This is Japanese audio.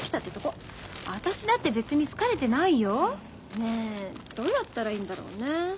ねえどうやったらいいんだろうね。